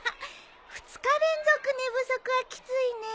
二日連続寝不足はきついね。